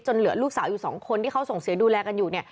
เหลือลูกสาวอยู่สองคนที่เขาส่งเสียดูแลกันอยู่เนี่ย